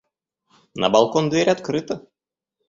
На балкон дверь открыта!